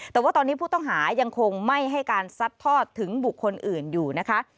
แต่ว่าตอนนี้ผู้ต้องหายังคงไม่ให้การซัดทอดถึงบุคคลอื่นอยู่นะคะ